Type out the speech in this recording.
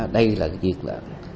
đây là cái việc là